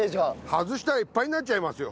外したらいっぱいになっちゃいますよ。